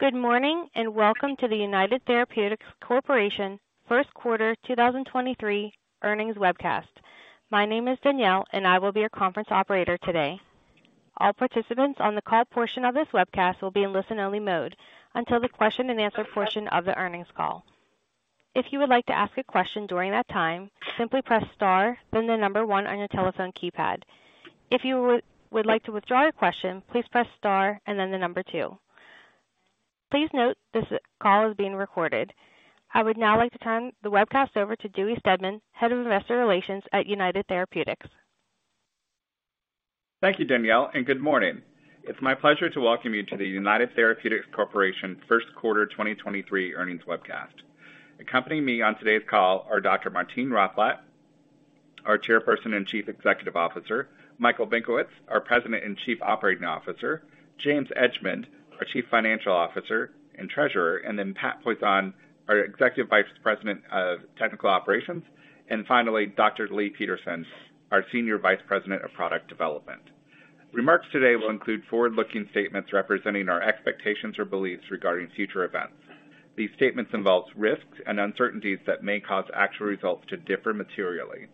Good morning, welcome to the United Therapeutics Corporation First Quarter 2023 Earnings Webcast. My name is Danielle, and I will be your conference operator today. All participants on the call portion of this webcast will be in listen-only mode until the question-and-answer portion of the earnings call. If you would like to ask a question during that time, simply press star then one on your telephone keypad. If you would like to withdraw your question, please press star and then two. Please note this call is being recorded. I would now like to turn the webcast over to Dewey Steadman, Head of Investor Relations at United Therapeutics. Thank you, Danielle, and good morning. It's my pleasure to welcome you to the United Therapeutics Corporation First Quarter 2023 earnings webcast. Accompanying me on today's call are Dr. Martine Rothblatt, our Chairperson and Chief Executive Officer; Michael Benkowitz, our President and Chief Operating Officer; James Edgemond, our Chief Financial Officer and Treasurer; Pat Poisson, our Executive Vice President of Technical Operations; and finally, Dr. Leigh Peterson, our Senior Vice President of Product Development. Remarks today will include forward-looking statements representing our expectations or beliefs regarding future events. These statements involve risks and uncertainties that may cause actual results to differ materially.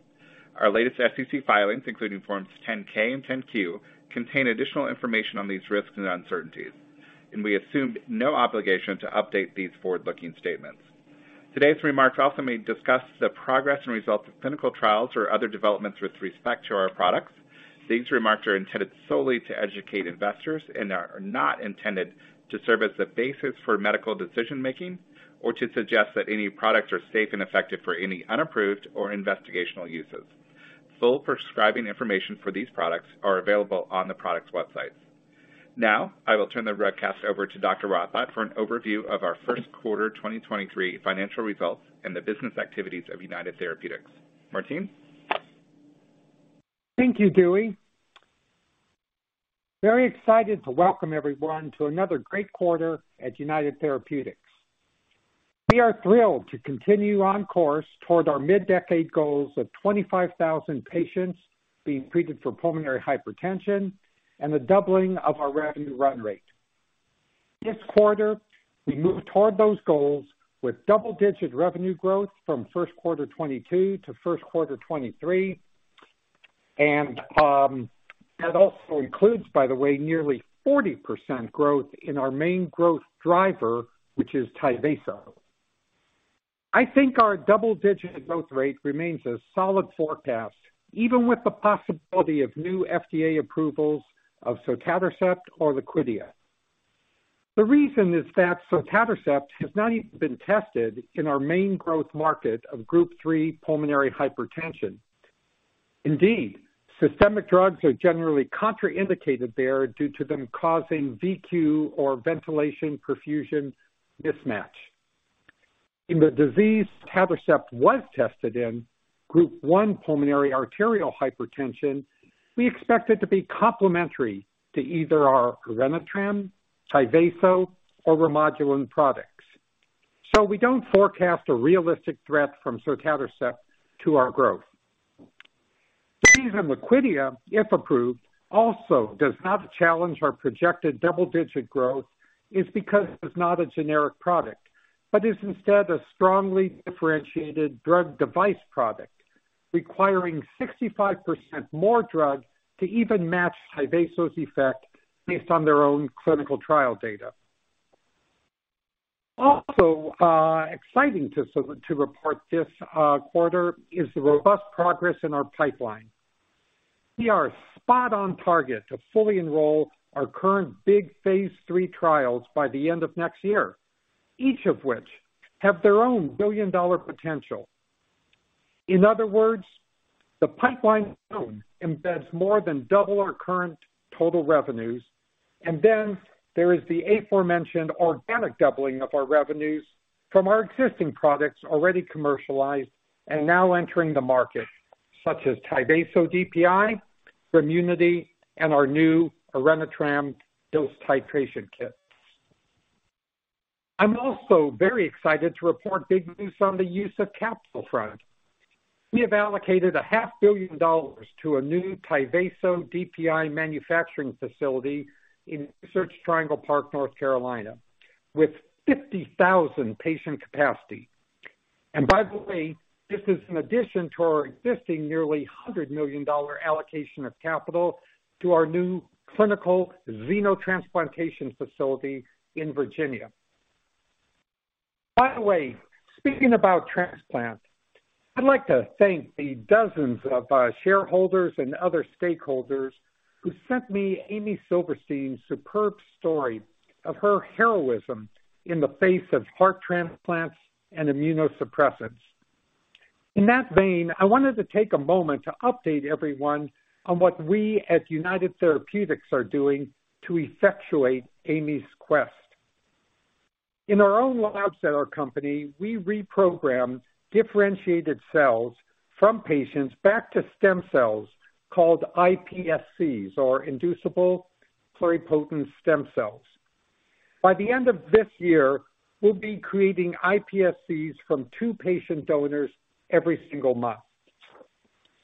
Our latest SEC filings, including Forms 10-K and 10-Q, contain additional information on these risks and uncertainties. We assume no obligation to update these forward-looking statements. Today's remarks also may discuss the progress and results of clinical trials or other developments with respect to our products. These remarks are intended solely to educate investors and are not intended to serve as the basis for medical decision-making or to suggest that any products are safe and effective for any unapproved or investigational uses. Full prescribing information for these products are available on the products' websites. Now, I will turn the broadcast over to Dr. Rothblatt for an overview of our first quarter 2023 financial results and the business activities of United Therapeutics. Martine. Thank you, Dewey. Very excited to welcome everyone to another great quarter at United Therapeutics. We are thrilled to continue on course toward our mid-decade goals of 25,000 patients being treated for pulmonary hypertension and the doubling of our revenue run rate. This quarter, we moved toward those goals with double-digit revenue growth from first quarter 2022 to first quarter 2023. That also includes, by the way, nearly 40% growth in our main growth driver, which is Tyvaso. I think our double-digit growth rate remains a solid forecast even with the possibility of new FDA approvals of sotatercept or Liquidia. The reason is that sotatercept has not even been tested in our main growth market of Group 3 pulmonary hypertension. Indeed, systemic drugs are generally contraindicated there due to them causing VQ or ventilation-perfusion mismatch. In the disease sotatercept was tested in, Group 1 pulmonary arterial hypertension, we expect it to be complementary to either our Orenitram, Tyvaso or Remodulin products. We don't forecast a realistic threat from sotatercept to our growth. The reason Liquidia, if approved, also does not challenge our projected double-digit growth is because it's not a generic product, but is instead a strongly differentiated drug device product requiring 65% more drug to even match Tyvaso's effect based on their own clinical trial data. Also, exciting to report this quarter is the robust progress in our pipeline. We are spot on target to fully enroll our current big phase III trials by the end of next year, each of which have their own billion-dollar potential. In other words, the pipeline alone embeds more than double our current total revenues, then there is the aforementioned organic doubling of our revenues from our existing products already commercialized and now entering the market, such as Tyvaso DPI, Remunity, and our new Orenitram dose titration kit. I'm also very excited to report big news on the use of capital products. We have allocated a half billion dollars to a new Tyvaso DPI manufacturing facility in Research Triangle Park, North Carolina, with 50,000 patient capacity. By the way, this is in addition to our existing nearly $100 million allocation of capital to our new clinical xenotransplantation facility in Virginia. By the way, speaking about transplant, I'd like to thank the dozens of shareholders and other stakeholders who sent me Amy Silverstein's superb story of her heroism in the face of heart transplants and immunosuppressants. In that vein, I wanted to take a moment to update everyone on what we at United Therapeutics are doing to effectuate Amy's quest. In our own labs at our company, we reprogram differentiated cells from patients back to stem cells called iPSCs or inducible pluripotent stem cells. By the end of this year, we'll be creating iPSCs from two patient donors every single month.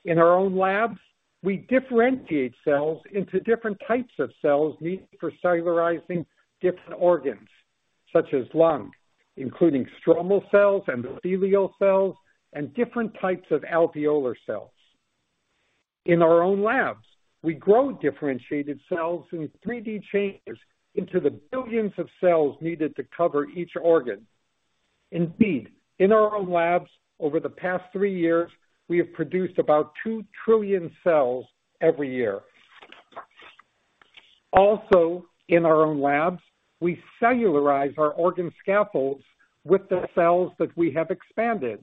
In our own labs, we differentiate cells into different types of cells needed for cellularizing different organs, such as lung, including stromal cells, endothelial cells, and different types of alveolar cells. In our own labs, we grow differentiated cells in 3D chambers into the billions of cells needed to cover each organ. Indeed, in our own labs over the past three years, we have produced about two trillion cells every year. Also, in our own labs, we cellularize our organ scaffolds with the cells that we have expanded.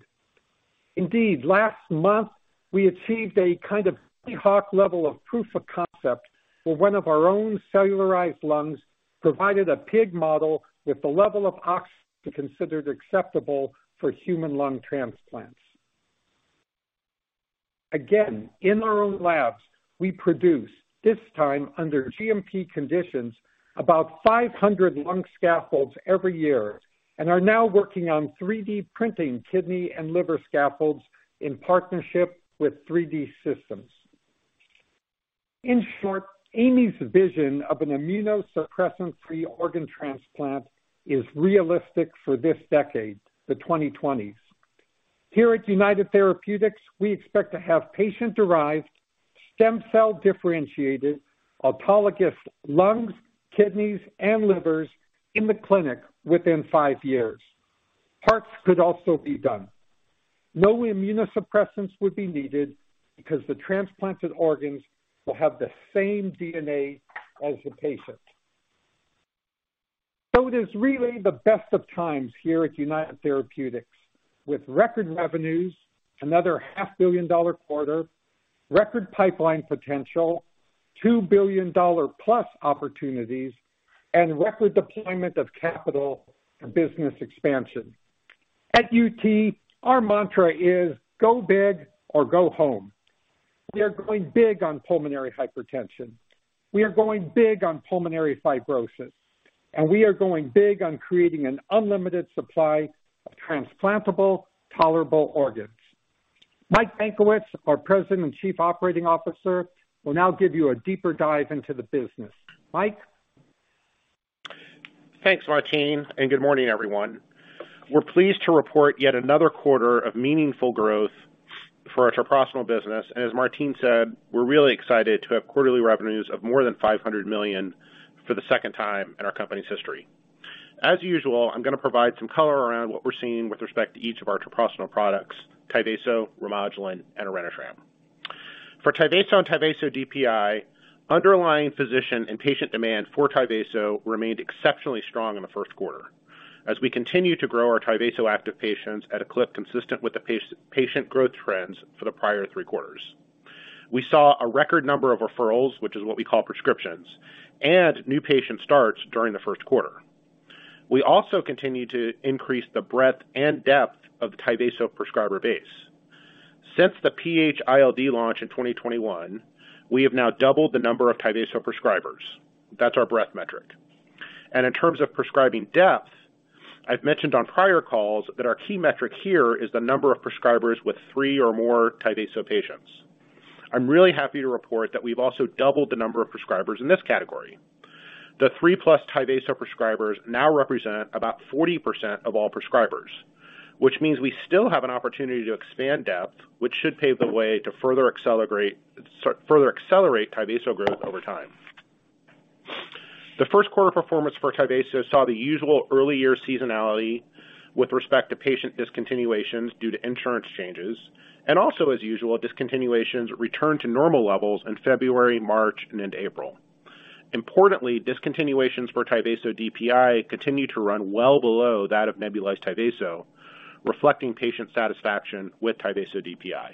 Indeed, last month we achieved a kind of ad hoc level of proof of concept where one of our own cellularized lungs provided a pig model with the level of oxygen considered acceptable for human lung transplants. Again, in our own labs, we produce, this time under GMP conditions, about 500 lung scaffolds every year and are now working on 3D printing kidney and liver scaffolds in partnership with 3D Systems. In short, Amy's vision of an immunosuppressant-free organ transplant is realistic for this decade, the 2020s. Here at United Therapeutics, we expect to have patient-derived stem cell differentiated autologous lungs, kidneys, and livers in the clinic within five years. Hearts could also be done. No immunosuppressants would be needed because the transplanted organs will have the same DNA as the patient. It is really the best of times here at United Therapeutics with record revenues, another half billion dollar quarter, record pipeline potential, $2 billion-dollar-plus opportunities, and record deployment of capital and business expansion. At UT, our mantra is go big or go home. We are going big on pulmonary hypertension. We are going big on pulmonary fibrosis, and we are going big on creating an unlimited supply of transplantable tolerable organs. Mike Benkowitz, our President and Chief Operating Officer, will now give you a deeper dive into the business. Mike? Thanks, Martine, and good morning, everyone. We're pleased to report yet another quarter of meaningful growth for our treprostinil business, and as Martine said, we're really excited to have quarterly revenues of more than $500 million for the second time in our company's history. As usual, I'm going to provide some color around what we're seeing with respect to each of our treprostinil products, Tyvaso, Remodulin, and Orenitram. For Tyvaso and Tyvaso DPI, underlying physician and patient demand for Tyvaso remained exceptionally strong in the first quarter as we continue to grow our Tyvaso-active patients at a clip consistent with the patient growth trends for the prior three quarters. We saw a record number of referrals, which is what we call prescriptions, and new patient starts during the first quarter. We also continued to increase the breadth and depth of the Tyvaso prescriber base. Since the PH-ILD launch in 2021, we have now doubled the number of Tyvaso prescribers. That's our breadth metric. In terms of prescribing depth, I've mentioned on prior calls that our key metric here is the number of prescribers with three or more Tyvaso patients. I'm really happy to report that we've also doubled the number of prescribers in this category. The three-plus Tyvaso prescribers now represent about 40% of all prescribers, which means we still have an opportunity to expand depth, which should pave the way to further accelerate Tyvaso growth over time. The first quarter performance for Tyvaso saw the usual early year seasonality with respect to patient discontinuations due to insurance changes and also as usual, discontinuations returned to normal levels in February, March, and April. Importantly, discontinuations for Tyvaso DPI continue to run well below that of nebulized Tyvaso, reflecting patient satisfaction with Tyvaso DPI.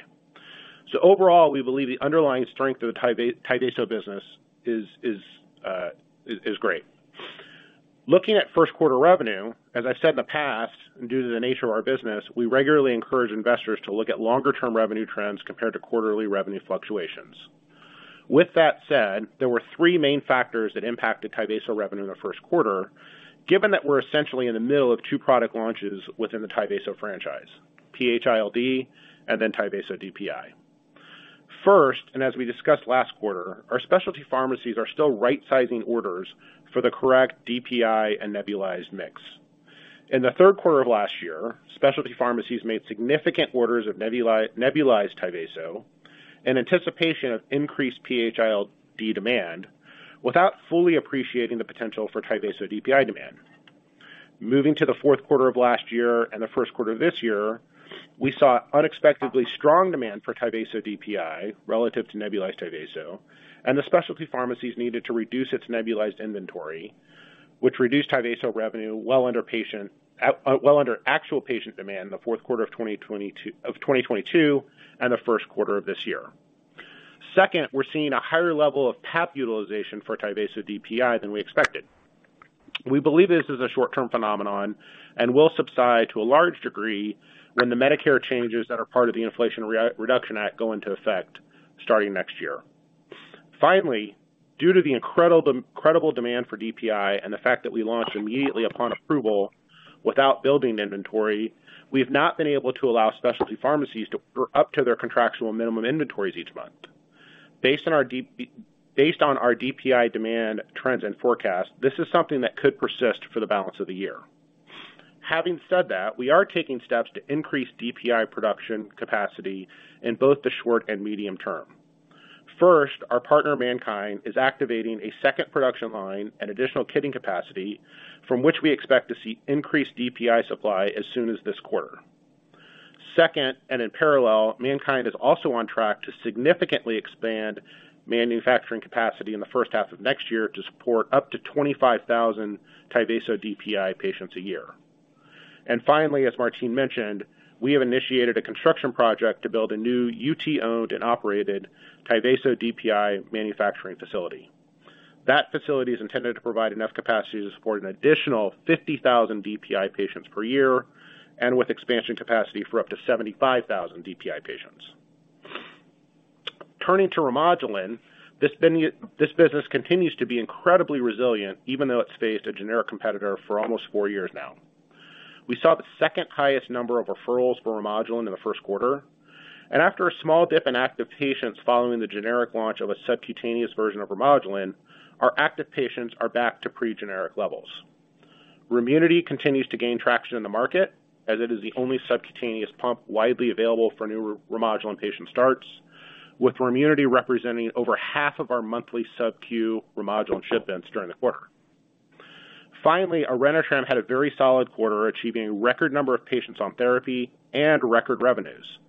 Overall, we believe the underlying strength of the Tyvaso business is great. Looking at first quarter revenue, as I've said in the past, and due to the nature of our business, we regularly encourage investors to look at longer-term revenue trends compared to quarterly revenue fluctuations. With that said, there were three main factors that impacted Tyvaso revenue in the first quarter, given that we're essentially in the middle of two product launches within the Tyvaso franchise, PH-ILD and then Tyvaso DPI. First, and as we discussed last quarter, our specialty pharmacies are still right-sizing orders for the correct DPI and nebulized mix. In the third quarter of last year, specialty pharmacies made significant orders of nebulized Tyvaso in anticipation of increase PH-ILD demand without fully appreciating the potential for Tyvaso DPI demand. Moving to the fourth quarter of last year and the first quarter of this year, we saw unexpectedly strong demand for Tyvaso DPI relative to nebulized Tyvaso and the specialty pharmacies needed to reduce its nebulized inventory, which reduced Tyvaso revenue well under patient well under actual patient demand in the fourth quarter of 2022 and the first quarter of this year. Second, we're seeing a higher level of PAP utilization for Tyvaso DPI than we expected. We believe this is a short-term phenomenon and will subside to a large degree when the Medicare changes that are part of the Inflation Reduction Act go into effect starting next year. Finally, due to the incredible demand for DPI and the fact that we launched immediately upon approval without building inventory, we've not been able to allow specialty pharmacies to order up to their contractual minimum inventories each month. Based on our based on our DPI demand trends and forecast, this is something that could persist for the balance of the year. Having said that, we are taking steps to increase DPI production capacity in both the short and medium term. Our partner, MannKind, is activating a second production line and additional kitting capacity from which we expect to see increase DPI supply as soon as this quarter. Second, in parallel, MannKind is also on track to significantly expand manufacturing capacity in the first half of next year to support up to 25,000 Tyvaso DPI patients a year. Finally, as Martine mentioned, we have initiated a construction project to build a new UT-owned and operated Tyvaso DPI manufacturing facility. That facility is intended to provide enough capacity to support an additional 50,000 DPI patients per year and with expansion capacity for up to 75,000 DPI patients. Turning to Remodulin, this business continues to be incredibly resilient, even though it's faced a generic competitor for almost four years now. We saw the second highest number of referrals for Remodulin in the first quarter. After a small dip in active patients following the generic launch of a subcutaneous version of Remodulin, our active patients are back to pre-generic levels. Remunity continues to gain traction in the market as it is the only subcutaneous pump widely available for new Remodulin patient starts, with Remunity representing over half of our monthly subQ Remodulin shipments during the quarter. Orenitram had a very solid quarter, achieving record number of patients on therapy and record revenues.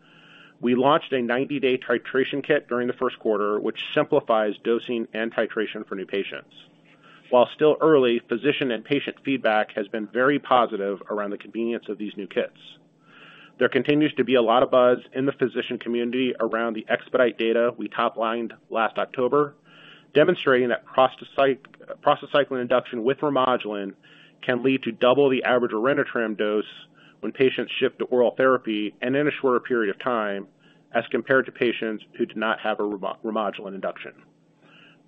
We launched a 90-day titration kit during the first quarter, which simplifies dosing and titration for new patients. While still early, physician and patient feedback has been very positive around the convenience of these new kits. There continues to be a lot of buzz in the physician community around the EXPEDITE data we top-lined last October, demonstrating that prostacyclin induction with Remodulin can lead to double the average Orenitram dose when patients shift to oral therapy and in a shorter period of time as compared to patients who do not have a Remodulin induction.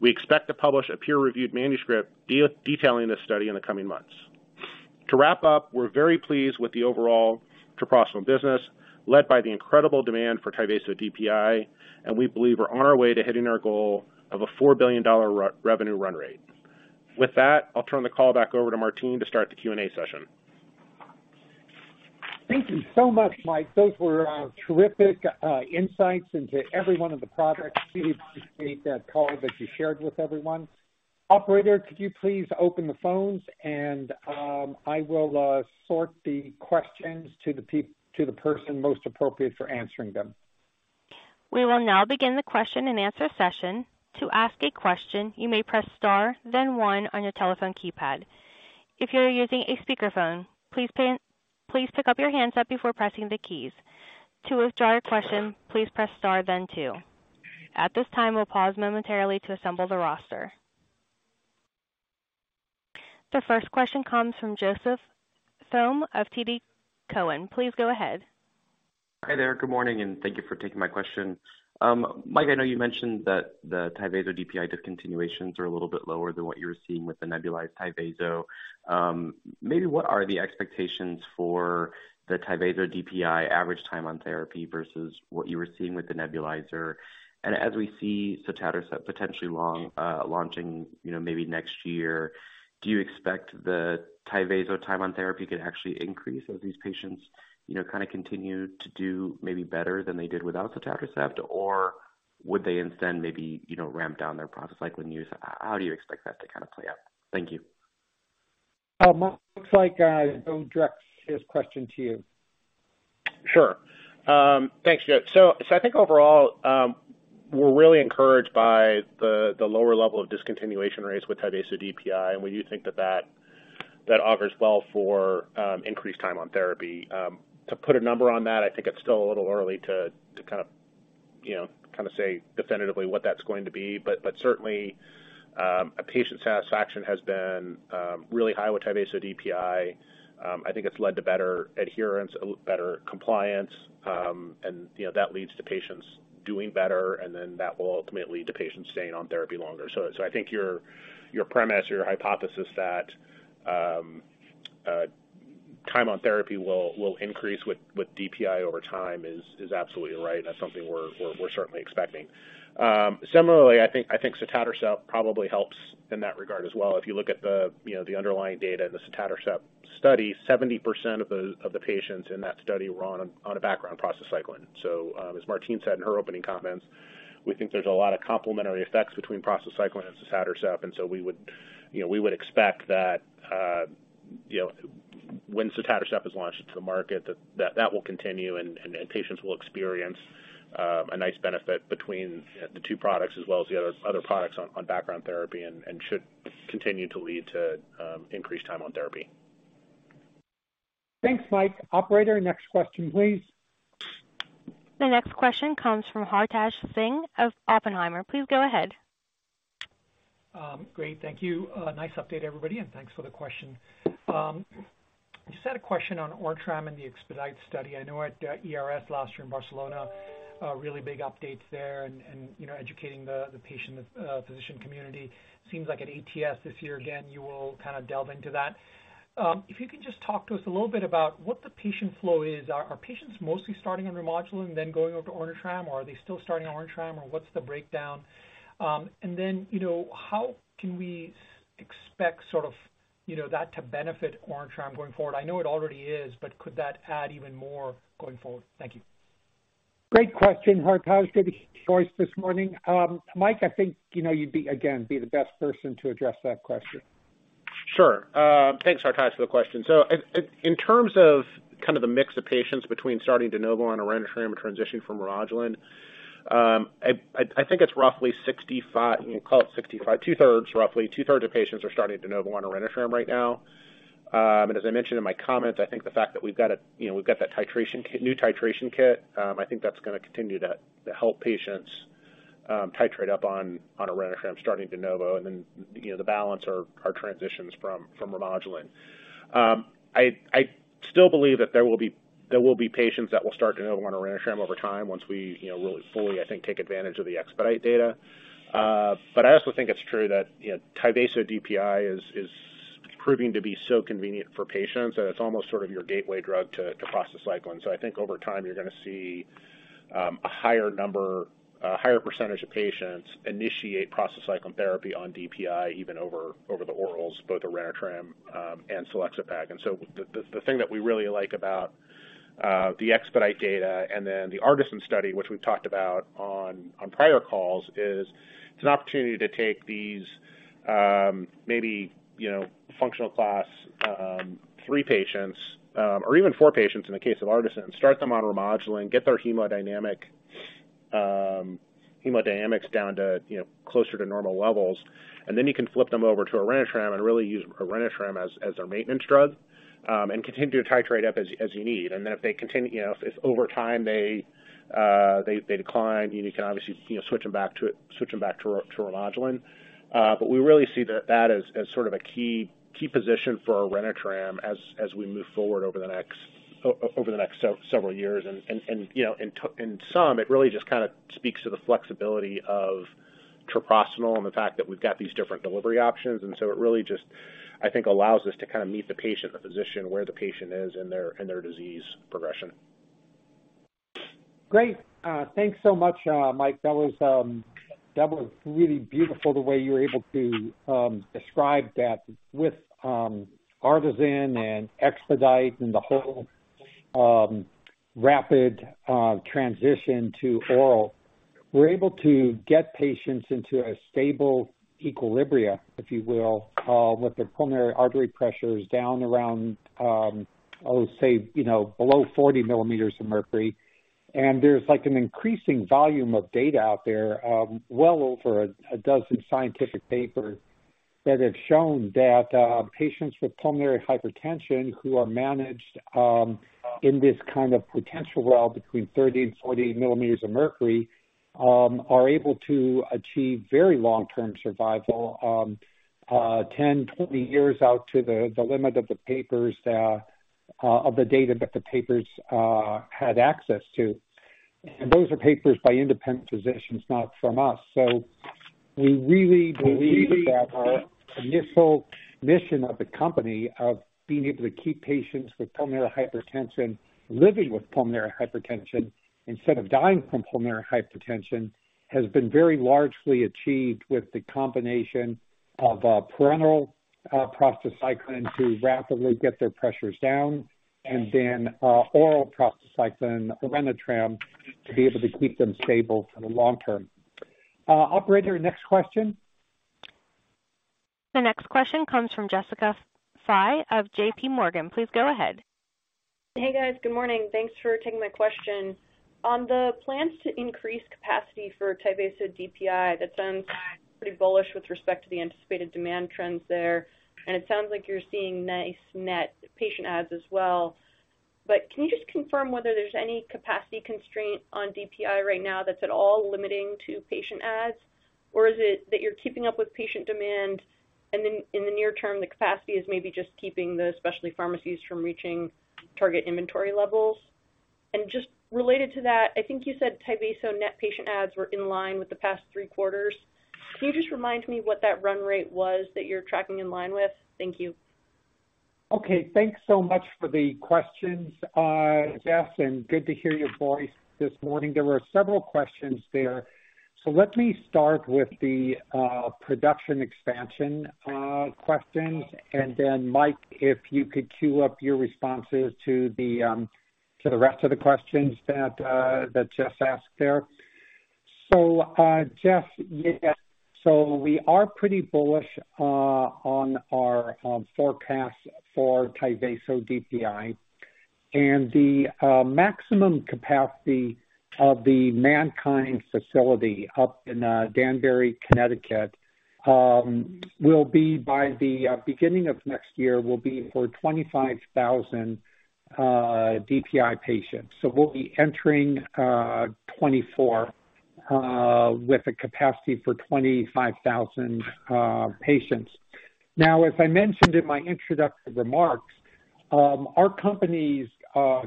We expect to publish a peer-reviewed manuscript detailing this study in the coming months. To wrap up, we're very pleased with the overall Treprostinil business, led by the incredible demand for Tyvaso DPI, and we believe we're on our way to hitting our goal of a $4 billion revenue run rate. With that, I'll turn the call back over to Martine to start the Q&A session. Thank you so much, Mike. Those were terrific insights into every one of the products. Appreciate that call that you shared with everyone. Operator, could you please open the phones and I will sort the questions to the person most appropriate for answering them. We will now begin the question-and-answer session. To ask a question, you may press star, then one on your telephone keypad. If you're using a speakerphone, please pick up your handset before pressing the keys. To withdraw your question, please press star then two. At this time, we'll pause momentarily to assemble the roster. The first question comes from Joseph Thome of TD Cowen. Please go ahead. Hi there. Good morning. Thank you for taking my question. Mike, I know you mentioned that the Tyvaso DPI discontinuations are a little bit lower than what you were seeing with the nebulized Tyvaso. Maybe what are the expectations for the Tyvaso DPI average time on therapy versus what you were seeing with the nebulizer? As we see sotatercept potentially launching, you know, maybe next year, do you expect the Tyvaso time on therapy could actually increase as these patients, you know, kinda continue to do maybe better than they did without sotatercept? Would they instead maybe, you know, ramp down their prostacyclin use? How do you expect that to kind of play out? Thank you. Mike, looks like, Joe addressed his question to you. Sure. Thanks, Joe. I think overall, we're really encouraged by the lower level of discontinuation rates with Tyvaso DPI, and we do think that augers well for increase time on therapy. To put a number on that, I think it's still a little early to kind of, you know, say definitively what that's going to be, but certainly, a patient satisfaction has been really high with Tyvaso DPI. I think it's led to better adherence, better compliance, and, you know, that leads to patients doing better, and that will ultimately lead to patients staying on therapy longer. I think your premise or your hypothesis that time on therapy will increase with DPI over time is absolutely right. That's something we're certainly expecting. Similarly, I think sotatercept probably helps in that regard as well. If you look at the, you know, the underlying data in the sotatercept study, 70% of the patients in that study were on a background prostacyclin. As Martine said in her opening comments, we think there's a lot of complementary effects between prostacyclin and sotatercept. We would, you know, we would expect that, you know, when sotatercept is launched into the market, that will continue and patients will experience a nice benefit between the two products as well as the other products on background therapy and should continue to lead to increase time on therapy. Thanks, Mike. Operator, next question, please. The next question comes from Hartaj Singh of Oppenheimer. Please go ahead. Great. Thank you. Nice update everybody, and thanks for the question. Just had a question on Orenitram and the EXPEDITE study. I know at ERS last year in Barcelona, really big updates there and, you know, educating the patient physician community. Seems like at ATS this year again, you will kinda delve into that. If you could just talk to us a little bit about what the patient flow is. Are patients mostly starting on Remodulin then going over to Orenitram? Or are they still starting on Orenitram? Or what's the breakdown? You know, how can we expect sort of, you know, that to benefit Orenitram going forward? I know it already is, but could that add even more going forward? Thank you. Great question, Hartaj. Good choice this morning. Mike, I think, you know, you'd be, again, the best person to address that question. Sure. Thanks, Hartaj, for the question. In terms of kind of the mix of patients between starting de novo on Orenitram or transitioning from Remodulin, I think it's roughly 65. Call it 65. Two-thirds roughly. Two-thirds of patients are starting de novo on Orenitram right now. As I mentioned in my comments, I think the fact that we've got a, you know, we've got that titration kit, new titration kit, I think that's gonna continue to help patients titrate up on Orenitram starting de novo. Then, you know, the balance are transitions from Remodulin. I still believe that there will be patients that will start de novo on Orenitram over time once we, you know, really, fully, I think, take advantage of the EXPEDITE data. I also think it's true that, you know, Tyvaso DPI is proving to be so convenient for patients that it's almost sort of your gateway drug to prostacyclin. I think over time you're gonna see a higher number, a higher percentage of patients initiate prostacyclin therapy on DPI even over the orals, both Orenitram and Selexipag. The thing that we really like about the EXPEDITE data and then the ARTISAN study, which we've talked about on prior calls, is it's an opportunity to take these, you know, functional class 3 patients or even 4 patients in the case of ARTISAN, start them on Remodulin, get their hemodynamic hemodynamics down to, you know, closer to normal levels, then you can flip them over to Orenitram and really use Orenitram as their maintenance drug. Continue to titrate up as you need. If they continue, you know, if over time they decline, you know, you can obviously, you know, switch them back to Remodulin. We really see that as sort of a key position for Orenitram as we move forward over the next several years. You know, in sum, it really just kinda speaks to the flexibility of treprostinil and the fact that we've got these different delivery options. It really just, I think, allows us to kinda meet the patient, the physician, where the patient is in their, in their disease progression. Great. Thanks so much, Mike. That was really beautiful the way you were able to describe that. With ARTISAN and EXPEDITE and the whole rapid transition to oral, we're able to get patients into a stable equilibria, if you will, with their pulmonary artery pressures down around, I would say, you know, below 40 millimeters of mercury. There's like an increasing volume of data out there, well over a dozen scientific papers that have shown that patients with pulmonary hypertension who are managed in this kind of potential well between 30 and 40 millimeters of mercury, are able to achieve very long-term survival, 10, 20 years out to the limit of the papers of the data that the papers had access to. Those are papers by independent physicians, not from us. We really believe that our initial mission of the company of being able to keep patients with pulmonary hypertension living with pulmonary hypertension instead of dying from pulmonary hypertension, has been very largely achieved with the combination of parenteral prostacyclin to rapidly get their pressures down, and then oral prostacyclin, Orenitram, to be able to keep them stable for the long term. Operator, next question. The next question comes from Jessica Fye of JPMorgan. Please go ahead. Hey, guys. Good morning. Thanks for taking my question. On the plans to increase capacity for Tyvaso DPI, that sounds pretty bullish with respect to the anticipated demand trends there, and it sounds like you're seeing nice net patient adds as well. Can you just confirm whether there's any capacity constraint on DPI right now that's at all limiting to patient adds? Or is it that you're keeping up with patient demand and in the near term, the capacity is maybe just keeping the specialty pharmacies from reaching target inventory levels? Just related to that, I think you said Tyvaso net patient adds were in line with the past three quarters. Can you just remind me what that run rate was that you're tracking in line with? Thank you. Okay. Thanks so much for the questions, Jess, and good to hear your voice this morning. There were several questions there. Let me start with the production expansion questions. Then Mike, if you could queue up your responses to the rest of the questions that Jess asked there. Jess, yeah, we are pretty bullish on our forecast for Tyvaso DPI. The maximum capacity of the Mannkind facility up in Danbury, Connecticut, will be by the beginning of next year, will be for 25,000 DPI patients. We'll be entering 2024 with a capacity for 25,000 patients. As I mentioned in my introductory remarks, our company's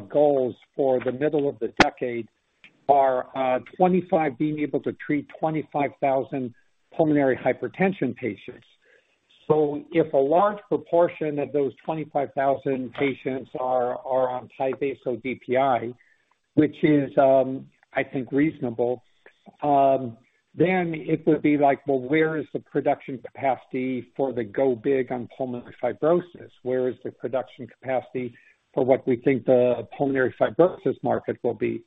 goals for the middle of the decade are being able to treat 25,000 pulmonary hypertension patients. If a large proportion of those 25,000 patients are on Tyvaso DPI, which is, I think reasonable, then it would be like, well, where is the production capacity for the go big on pulmonary fibrosis? Where is the production capacity for what we think the pulmonary fibrosis market will be?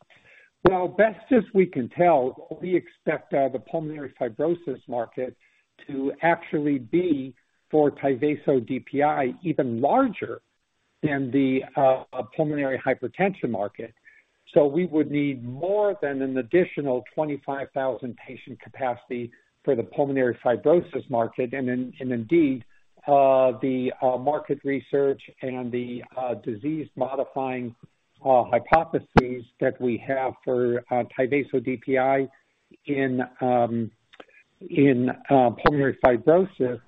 Well, best as we can tell, we expect the pulmonary fibrosis market to actually be for Tyvaso DPI even larger than the pulmonary hypertension market. We would need more than an additional 25,000 patient capacity for the pulmonary fibrosis market. Indeed, the market research and the disease modifying hypotheses that we have for Tyvaso DPI in pulmonary fibrosis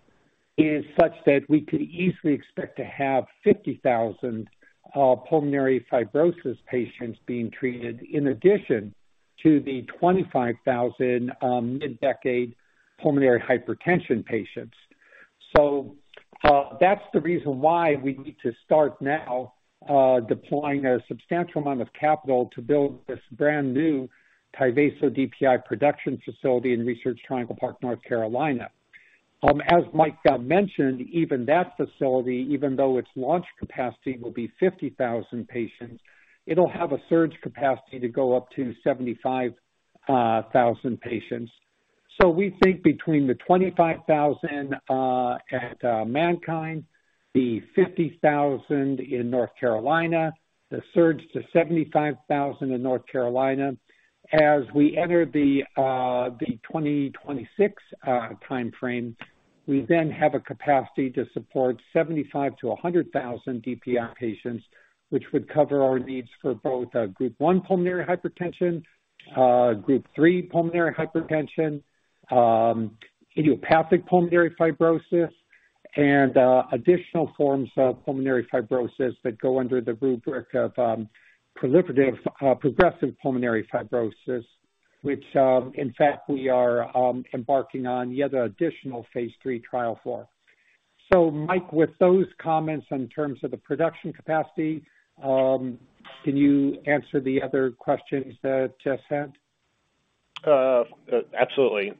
is such that we could easily expect to have 50,000 pulmonary fibrosis patients being treated in addition to the 25,000 mid-decade pulmonary hypertension patients. That's the reason why we need to start now deploying a substantial amount of capital to build this brand new Tyvaso DPI production facility in Research Triangle Park, North Carolina. As Mike mentioned, even that facility, even though its launch capacity will be 50,000 patients, it'll have a surge capacity to go up to 75,000 patients. We think between the 25,000 at MannKind, the 50,000 in North Carolina, the surge to 75,000 in North Carolina as we enter the 2026 timeframe, we then have a capacity to support 75,000-100,000 DPI patients, which would cover our needs for both Group 1 pulmonary hypertension, Group 3 pulmonary hypertension, idiopathic pulmonary fibrosis, and additional forms of pulmonary fibrosis that go under the rubric of proliferative progressive pulmonary fibrosis, which, in fact, we are embarking on yet additional phase III, trial 4. Mike, with those comments in terms of the production capacity, can you answer the other questions that Jess sent? Absolutely.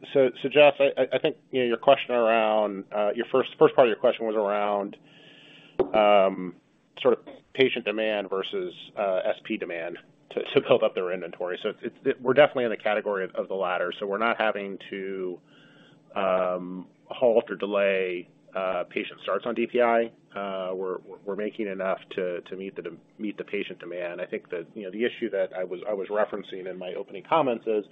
Jeff, I think you know your question around your first part of your question was around sort of patient demand versus SP demand to build up their inventory. We're definitely in the category of the latter, so we're not having to halt or delay patient starts on DPI. We're making enough to meet the patient demand. The, you know, the issue that I was referencing in my opening comments is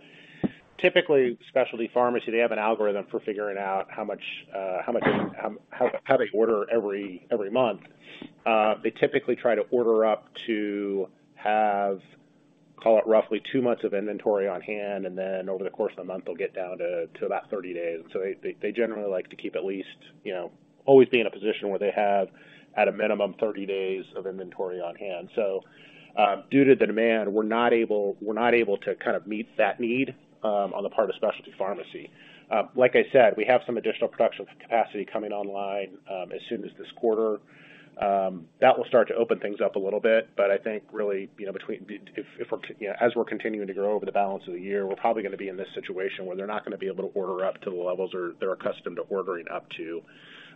typically specialty pharmacy, they have an algorithm for figuring out how much, how they order every month. They typically try to order up to have, call it roughly two months of inventory on hand, and then over the course of a month they'll get down to about 30 days. They generally like to keep at least, you know, always be in a position where they have at a minimum 30 days of inventory on hand. Due to the demand, we're not able to kind of meet that need on the part of specialty pharmacy. Like I said, we have some additional production capacity coming online as soon as this quarter. That will start to open things up a little bit. I think really, you know, as we're continuing to grow over the balance of the year, we're probably gonna be in this situation where they're not gonna be able to order up to the levels they're accustomed to ordering up to,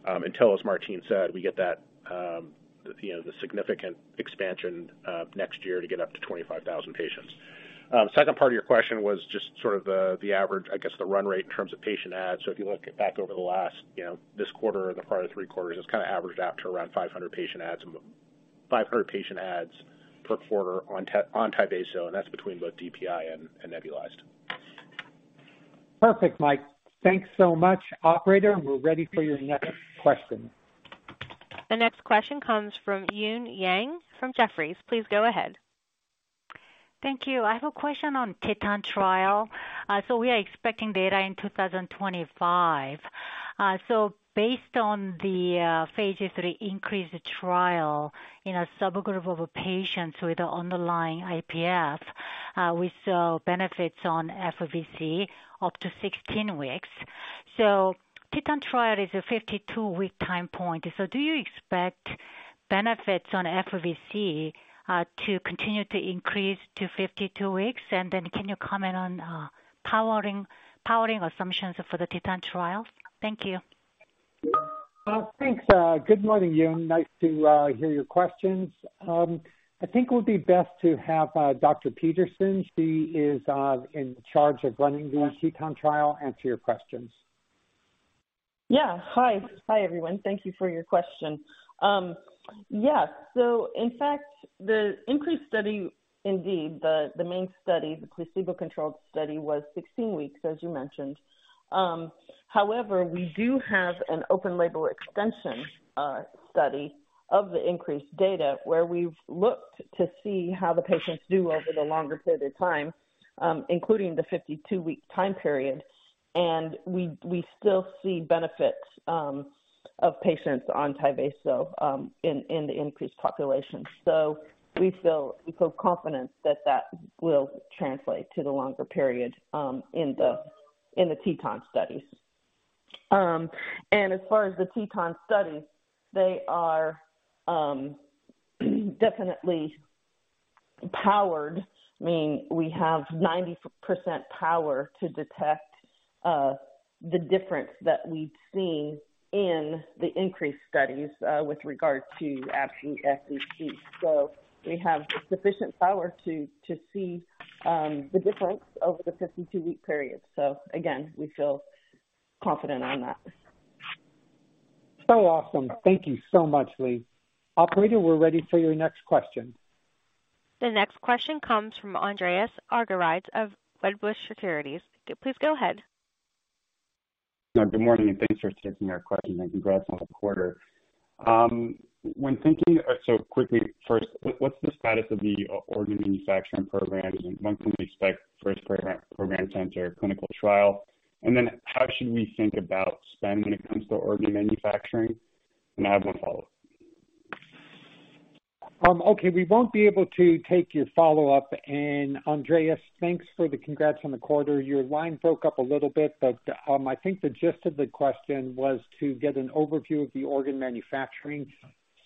until, as Martine said, we get that, you know, the significant expansion next year to get up to 25,000 patients. Second part of your question was just sort of the average, I guess the run rate in terms of patient adds. If you look back over the last, you know, this quarter or the prior three quarters, it's kind of averaged out to around 500 patient adds, 500 patient adds per quarter on Tyvaso, and that's between both DPI and nebulized. Perfect, Mike. Thanks so much. Operator, we're ready for your next question. The next question comes from Eun Yang from Jefferies. Please go ahead. Thank you. I have a question on TETON trial. We are expecting data in 2025. Based on the phase III increase trial in a subgroup of patients with underlying IPF, we saw benefits on FVC up to 16 weeks. TETON trial is a 52-week time point. Do you expect benefits on FVC to continue to increase to 52 weeks? Can you comment on powering assumptions for the TETON trial? Thank you. Thanks. Good morning, Eun. Nice to hear your questions. I think it would be best to have Dr. Peterson, she is in charge of running the TETON trial, answer your questions. Yeah. Hi, everyone. Thank you for your question. In fact, the increase study indeed, the main study, the placebo-controlled study was 16 weeks, as you mentioned. However, we do have an open label extension study of the increase data where we've looked to see how the patients do over the longer period of time, including the 52-week time period. We still see benefits of patients on Tyvaso in the increase population. We feel confidence that that will translate to the longer period in the TETON studies. As far as the TETON studies, they are definitely powered. Meaning we have 90% power to detect the difference that we've seen in the increase studies with regards to absolute FVC. We have sufficient power to see the difference over the 52 week period. Again, we feel confident on that. Awesome. Thank you so much, Leigh. Operator, we're ready for your next question. The next question comes from Andreas Argyrides of Wedbush Securities. Please go ahead. Good morning. Thanks for taking our question and congrats on the quarter. Quickly first, what's the status of the organ manufacturing program and when can we expect first program center clinical trial? How should we think about spend when it comes to organ manufacturing? I have one follow-up. Okay, we won't be able to take your follow-up. Andreas, thanks for the congrats on the quarter. Your line broke up a little bit, but I think the gist of the question was to get an overview of the organ manufacturing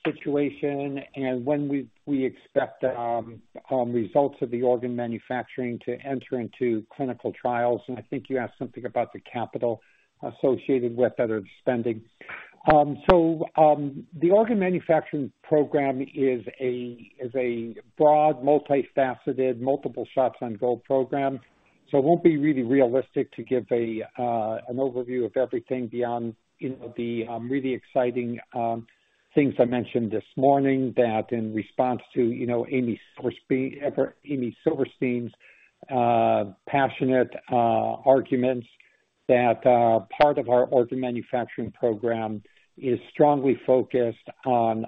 situation and when we expect the results of the organ manufacturing to enter into clinical trials. I think you asked something about the capital associated with that or the spending. The organ manufacturing program is a broad, multifaceted, multiple shots on goal program. It won't be really realistic to give an overview of everything beyond, you know, the really exciting things I mentioned this morning that in response to, you know, Amy Silverstein's passionate arguments that part of our organ manufacturing program is strongly focused on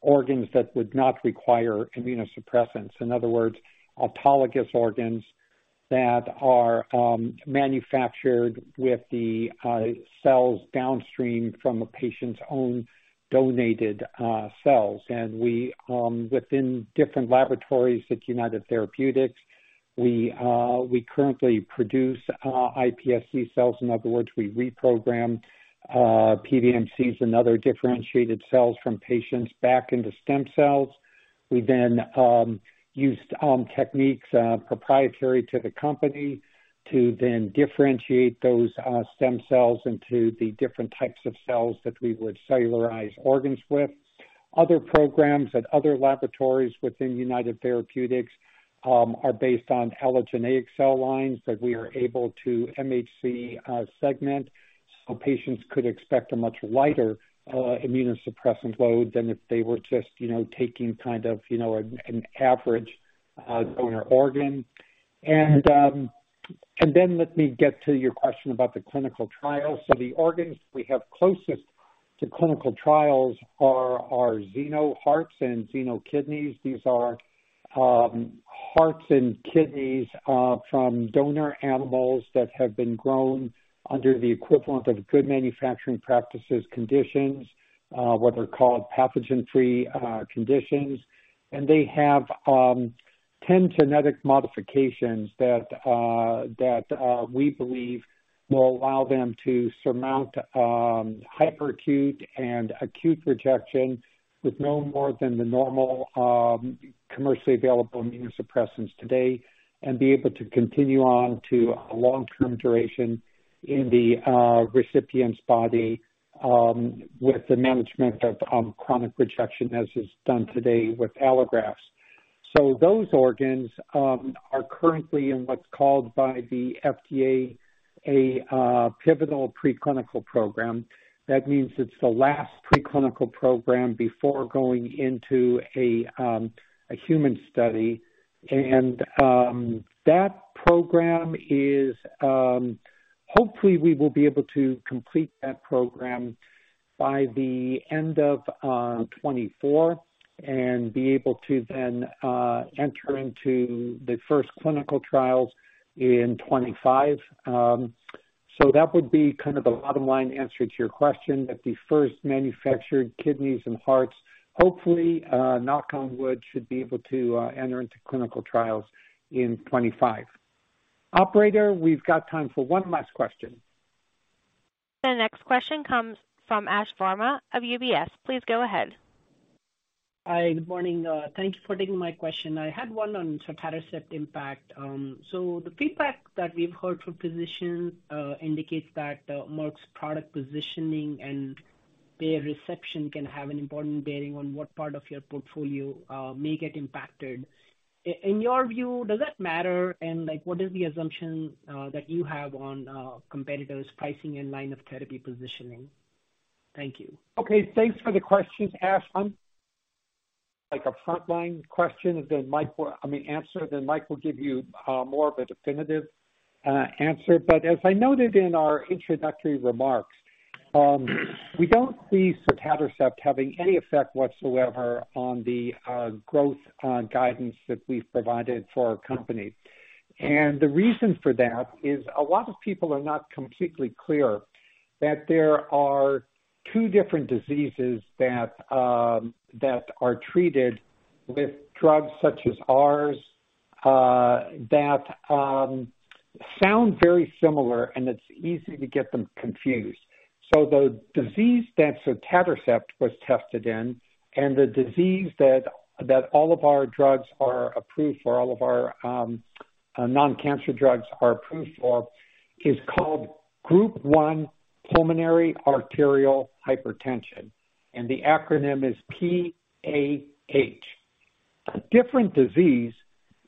organs that would not require immunosuppressants. In other words, autologous organs that are manufactured with the cells downstream from a patient's own donated cells. We, within different laboratories at United Therapeutics, we currently produce iPSC cells. In other words, we reprogram PBMCs and other differentiated cells from patients back into stem cells. We then use techniques proprietary to the company to then differentiate those stem cells into the different types of cells that we would cellularize organs with. Other programs at other laboratories within United Therapeutics are based on allogeneic cell lines that we are able to MHC segment, so patients could expect a much lighter immunosuppressant load than if they were just, you know, taking kind of, you know, an average donor organ. Let me get to your question about the clinical trial. The organs we have closest to clinical trials are xeno hearts and xeno kidneys. These are hearts and kidneys from donor animals that have been grown under the equivalent of good manufacturing practices conditions, what are called pathogen-free conditions. They have 10 genetic modifications that we believe will allow them to surmount hyperacute and acute rejection with no more than the normal commercially available immunosuppressants today and be able to continue on to a long-term duration in the recipient's body with the management of chronic rejection as is done today with allografts. Those organs are currently in what's called by the FDA a pivotal preclinical program. That means it's the last preclinical program before going into a human study. That program is, hopefully we will be able to complete that program by the end of 2024 and be able to then enter into the first clinical trials in 2025. That would be kind of the bottom line answer to your question, that the first manufactured kidneys and hearts, hopefully, knock on wood, should be able to, enter into clinical trials in 2025. Operator, we've got time for one last question. The next question comes from Ashwani Verma of UBS. Please go ahead. Hi. Good morning. Thank you for taking my question. I had one on sotatercept impact. The feedback that we've heard from physicians indicates that Merck's product positioning and payer reception can have an important bearing on what part of your portfolio may get impacted. In your view, does that matter? Like, what is the assumption that you have on competitors' pricing and line of therapy positioning? Thank you. Okay, thanks for the questions, Ash. Like a frontline question, and then Mike will, I mean, answer, then Mike will give you more of a definitive answer. As I noted in our introductory remarks, we don't see sotatercept having any effect whatsoever on the growth guidance that we've provided for our company. The reason for that is a lot of people are not completely clear that there are two different diseases that are treated with drugs such as ours that sound very similar, and it's easy to get them confused. The disease that sotatercept was tested in and the disease that all of our drugs are approved for, all of our non-cancer drugs are approved for, is called Group 1 pulmonary arterial hypertension, and the acronym is PAH. A different disease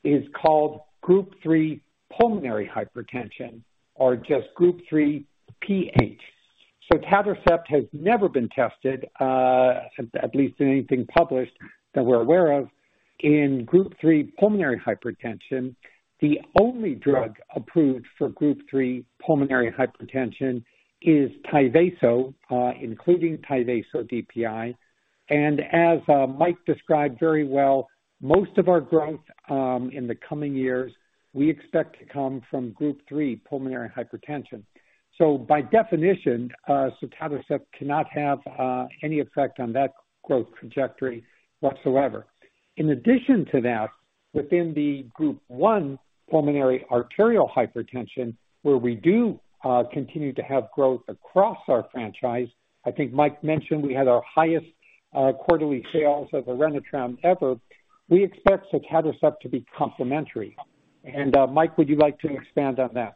is called Group 3 pulmonary hypertension, or just Group 3 PH. Sotatercept has never been tested, at least in anything published that we're aware of, in Group 3 pulmonary hypertension. The only drug approved for Group 3 pulmonary hypertension is Tyvaso, including Tyvaso DPI. As Mike described very well, most of our growth in the coming years, we expect to come from Group 3 pulmonary hypertension. By definition, sotatercept cannot have any effect on that growth trajectory whatsoever. In addition to that, within the Group 1 pulmonary arterial hypertension, where we do continue to have growth across our franchise, I think Mike mentioned we had our highest quarterly sales of Orenitram ever. We expect sotatercept to be complementary. Mike, would you like to expand on that?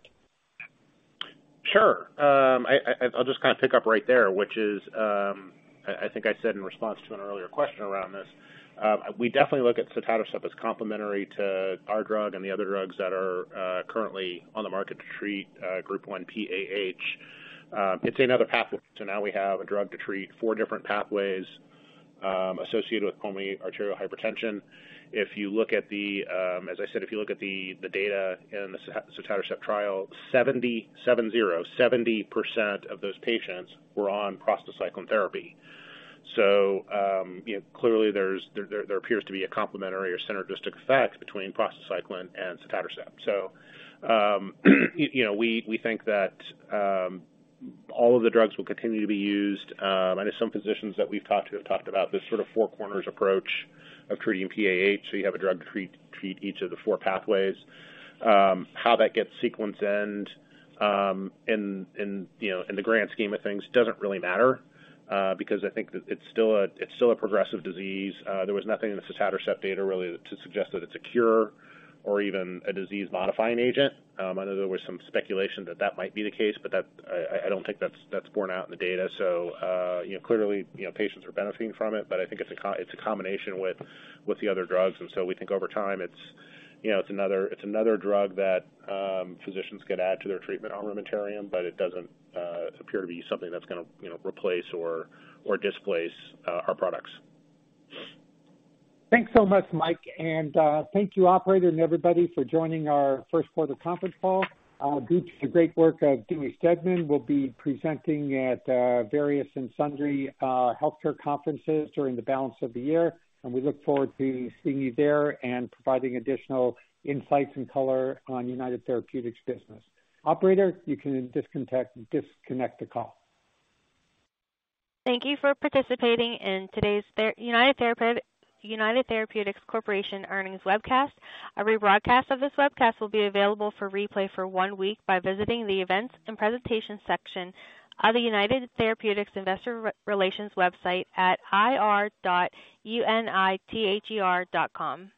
Sure. I'll just kinda pick up right there, which is, I think I said in response to an earlier question around this, we definitely look at sotatercept as complementary to our drug and the other drugs that are currently on the market to treat Group 1 PAH. It's another pathway. Now we have a drug to treat four different pathways associated with pulmonary arterial hypertension. If you look at the, as I said, if you look at the data in the sotatercept trial, 70% of those patients were on prostacyclin therapy. You know, clearly there appears to be a complementary or synergistic effect between prostacyclin and sotatercept. You know, we think that all of the drugs will continue to be used. I know some physicians that we've talked to have talked about this sort of four corners approach of treating PAH, so you have a drug to treat each of the four pathways. How that gets sequence and, in, you know, in the grand scheme of things doesn't really matter, because I think that it's still a progressive disease. There was nothing in the sotatercept data really to suggest that it's a cure or even a disease-modifying agent. I know there was some speculation that that might be the case, but I don't think that's borne out in the data. You know, clearly, you know, patients are benefiting from it, but I think it's a combination with the other drugs. We think over time it's, you know, it's another drug that physicians could add to their treatment armamentarium, but it doesn't appear to be something that's gonna, you know, replace or displace our products. Thanks so much, Mike. Thank you, operator and everybody for joining our first quarter conference call. Due to the great work of Dewey Steadman, we'll be presenting at various and sundry healthcare conferences during the balance of the year, and we look forward to seeing you there and providing additional insights and color on United Therapeutics business. Operator, you can disconnect the call. Thank you for participating in today's United Therapeutics Corporation earnings webcast. A rebroadcast of this webcast will be available for replay for one week by visiting the Events and Presentation section of the United Therapeutics Investor Relations website at ir.unither.com.